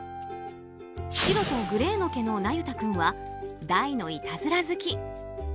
白とグレーの毛のなゆ太君は大のいたずら好き。